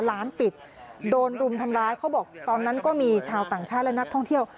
ร้านปิดโดนรุมทำร้ายเขาบอกตอนนั้นก็มีชาวต่างชาติและนักท่องเที่ยว